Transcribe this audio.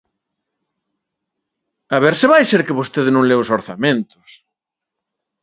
A ver se vai ser que vostede non leu os orzamentos.